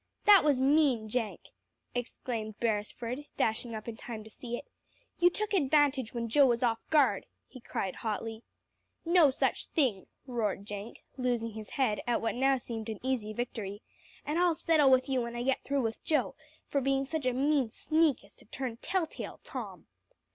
"That was mean, Jenk!" exclaimed Beresford, dashing up in time to see it. "You took advantage when Joe was off guard," he cried hotly. "No such thing," roared Jenk, losing his head at what now seemed an easy victory, "and I'll settle with you when I get through with Joe, for being such a mean sneak as to turn tell tale, Tom."